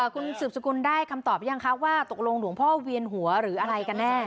คุณสืบสกุลได้คำตอบหรือยังคะว่าตกลงหลวงพ่อเวียนหัวหรืออะไรกันแน่